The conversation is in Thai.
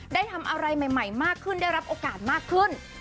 ได้ทำอะไรใหม่มากขึ้นได้รับโอกาสมากขึ้น